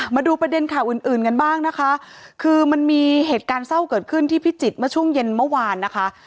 มาดูประเด็นข่าวอื่นอื่นกันบ้างนะคะคือมันมีเหตุการณ์เศร้าเกิดขึ้นที่พิจิตรเมื่อช่วงเย็นเมื่อวานนะคะ